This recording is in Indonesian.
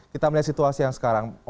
kita melihat situasi yang sekarang